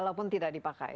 walaupun tidak dipakai